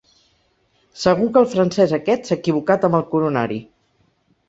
Segur que el francès aquest s'ha equivocat amb el coronari!